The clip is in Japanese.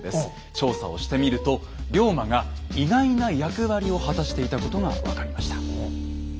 調査をしてみると龍馬が意外な役割を果たしていたことが分かりました。